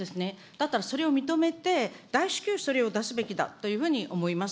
だったら、それを認めて大至急、それを出すべきだというふうに思います。